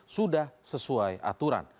sudah sesuai aturan